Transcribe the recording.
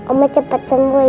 oma cepet sanggul ya